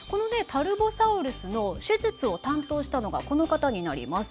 タルボサウルスの手術を担当したのがこの方になります。